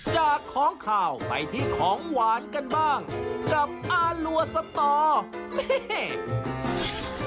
จากของข่าวไปที่ของหวานกันบ้างกับอารัวสตอแม่